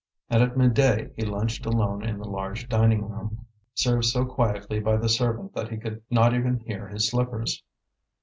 And at midday he lunched alone in the large dining room, served so quietly by the servant that he could not even hear his slippers.